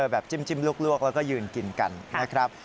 จิ้มลวกแล้วก็ยืนกินกันนะครับ